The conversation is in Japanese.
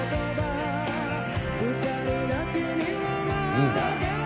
いいなぁ。